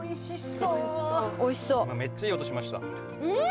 今めっちゃいい音しましたうん！